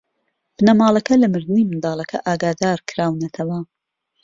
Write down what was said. بنەماڵەکە لە مردنی منداڵەکە ئاگادار کراونەتەوە.